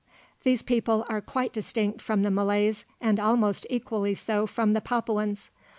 These people are quite distinct from the Malays, and almost equally so from the Papuans.